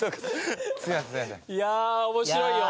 いやあ面白いよ。